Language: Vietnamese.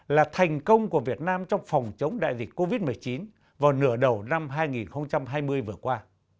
là thành công của việt nam trong phòng chống đại dịch covid một mươi chín vào nửa đầu năm hai nghìn hai mươi vừa qua